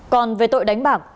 còn về tội đánh bạc